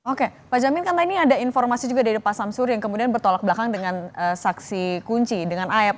oke pak jamin karena ini ada informasi juga dari pak samsur yang kemudian bertolak belakang dengan saksi kunci dengan ayap